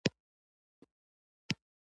د رحمت دعا د مؤمن زړۀ زینت دی.